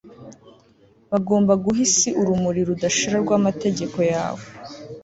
bagombaga guha isi urumuri rudashira rw'amategeko yawe